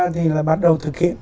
thì là bắt đầu thực hiện